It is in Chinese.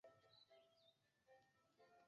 云南眼树莲为夹竹桃科眼树莲属的植物。